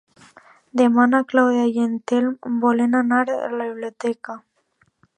Demà na Clàudia i en Telm volen anar a la biblioteca.